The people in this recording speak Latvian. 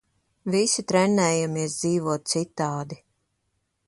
Visi trenējamies dzīvot citādi.